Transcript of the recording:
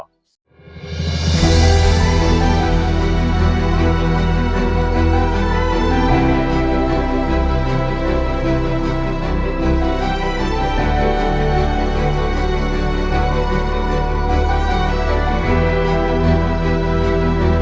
โปรดติดตามตอนต่อไป